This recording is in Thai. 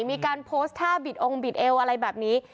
มีการโพสต์ท่าบิดองค์บิดเอวอะไรแบบนี้